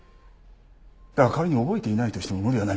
だが仮に覚えていないとしても無理はない。